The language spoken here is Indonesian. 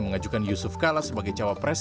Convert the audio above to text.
mengajukan yusuf kalah sebagai cawa pres